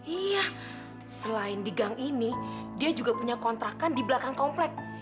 iya selain di gang ini dia juga punya kontrakan di belakang komplek